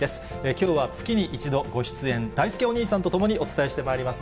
きょうは月に１度ご出演、だいすけお兄さんと共に、お伝えしてまいります。